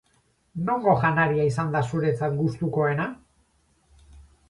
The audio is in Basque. Nongo janaria izan da zuretzat gustukoena?